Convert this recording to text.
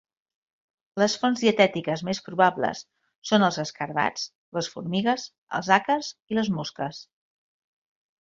Les fonts dietètiques més probables són els escarabats, les formigues, els àcars i les mosques.